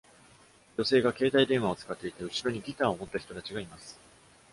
女性が携帯電話を使っていて、後ろにギターを持った人たちがいます。